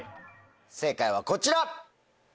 正解はこちら。